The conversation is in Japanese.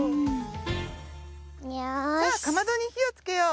さあかまどにひをつけよう。